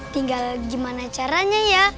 tinggal gimana caranya ya